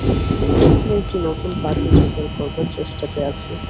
এখানে একটি নতুন পাগড়ি যোগাড় করবার চেষ্টাতে আছি।